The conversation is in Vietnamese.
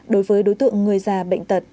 đối với đối tượng người già bệnh tật